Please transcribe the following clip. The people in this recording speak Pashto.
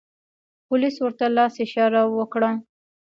پولیس ورته لاس اشاره و کړه.